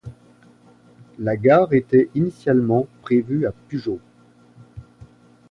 La gare était initialement prévue à Pujaut.